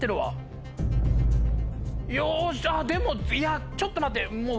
よしじゃあでもいやちょっと待ってもう。